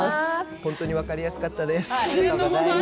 本当に分かりやすかったです。